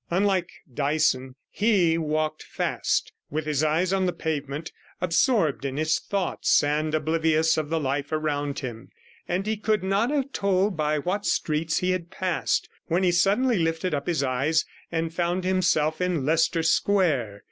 Unlike Dyson he walked fast, with his eyes on the pavement, absorbed in his thoughts, and oblivious of the life around him; and he could not have told by what streets he had passed, when he suddenly lifted up his eyes and found himself in Leicester Square.